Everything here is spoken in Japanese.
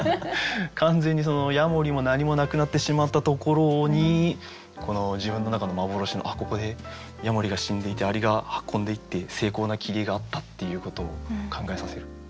完全にやもりも何もなくなってしまったところに自分の中の幻のここでやもりが死んでいて蟻が運んでいって精巧な切り絵があったっていうことを考えさせる。